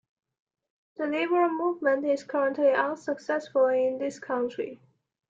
The liberal movement is currently unsuccessful in this country.